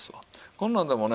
こんなんでもね